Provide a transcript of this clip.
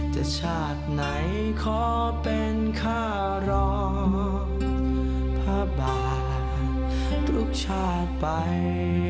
ชาติไหนขอเป็นค่ารองพระบาททุกชาติไป